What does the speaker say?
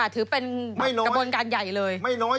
ถือเป็นกระบวนการใหญ่เลย